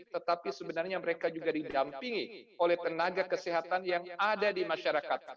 tetapi sebenarnya mereka juga didampingi oleh tenaga kesehatan yang ada di masyarakat